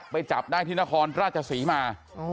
ไปจับได้พินาคอนราชศรีมา